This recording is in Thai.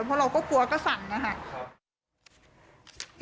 เพราะเราก็กลัวก็สั่งนะคะ